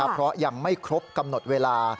เพราะยังไม่ครบกำหนดเวลา